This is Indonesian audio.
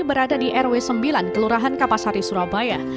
berada di rw sembilan kelurahan kapasari surabaya